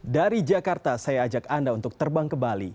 dari jakarta saya ajak anda untuk terbang ke bali